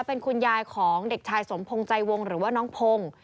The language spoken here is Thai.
เป็นคุณยายของเด็กชายสมพงษ์ใจวงหรือว่าน้องพงศ์